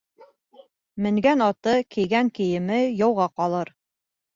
Менгән аты, кейгән кейеме яуға ҡалыр.